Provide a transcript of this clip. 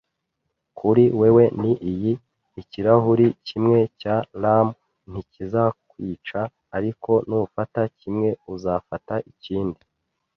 kuri wewe ni iyi; ikirahuri kimwe cya rum ntikizakwica, ariko nufata kimwe uzafata ikindi